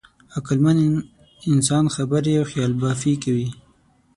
عقلمن انسان خبرې او خیالبافي کوي.